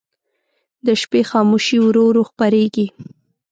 د شپې خاموشي ورو ورو خپرېږي.